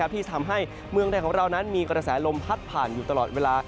ที่ทำให้เมืองไทยของเรานั้นมีกระแสลมพัดผ่านอยู่ตลอดเวลา